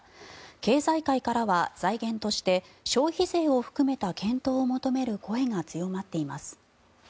経済界からは財源として消費税を含めた検討を求める声が強まっています。